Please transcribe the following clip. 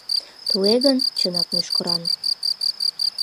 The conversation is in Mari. Туге гын, чынак мӱшкыран.